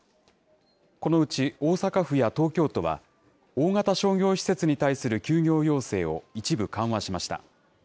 このうち、大阪府や東京都は、大型商業施設に対する休業要請を一部緩和しました。